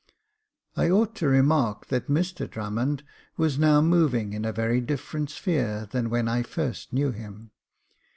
I ought to remark that Mr Drummond was now moving in a very different sphere than when I first knew him.